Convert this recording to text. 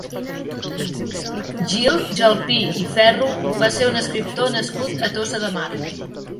Gil Gelpí i Ferro va ser un escriptor nascut a Tossa de Mar.